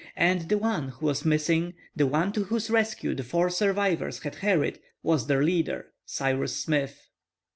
And the one who was missing, the one to whose rescue the four survivors had hurried was their leader, Cyrus Smith.